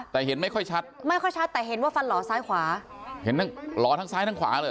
แต่เห็นไม่ค่อยชัดไม่ค่อยชัดแต่เห็นว่าฟันหล่อซ้ายขวาเห็นทั้งหล่อทั้งซ้ายทั้งขวาเลย